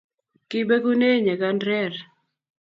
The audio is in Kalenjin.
Kibegune nyakan rer